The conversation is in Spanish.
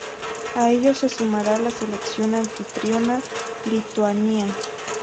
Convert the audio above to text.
A ellos se sumará la selección anfitriona Lituania.